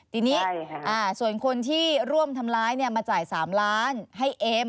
ทีนี้ส่วนคนที่ร่วมทำร้ายมาจ่าย๓ล้านให้เอ็ม